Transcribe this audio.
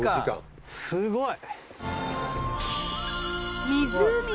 すごい！